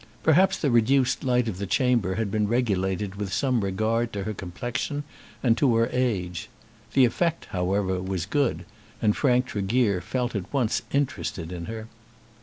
Perhaps the reduced light of the chamber had been regulated with some regard to her complexion and to her age. The effect, however, was good, and Frank Tregear felt at once interested in her.